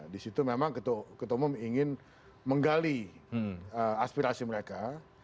di situ memang ketua umum ingin menggali aspirasi mereka